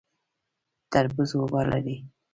تربوز اوبه لري